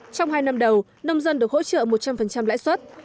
trong hai năm đầu nông dân được hỗ trợ một trăm linh lãi suất